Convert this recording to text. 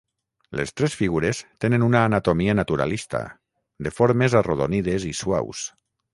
Les tres figures tenen una anatomia naturalista, de formes arrodonides i suaus.